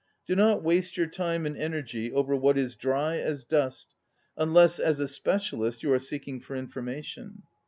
Do not waste your time and energy over what is dry as dust,* un less, as a specialist, you are seeking for information.